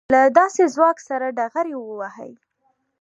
له داسې ځواک سره ډغرې ووهي.